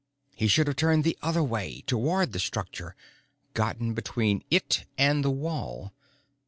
He should have turned the other way, towards the structure, gotten between it and the wall.